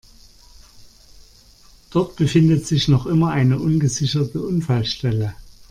Dort befindet sich noch immer eine ungesicherte Unfallstelle.